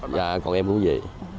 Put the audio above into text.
dạ còn em muốn gì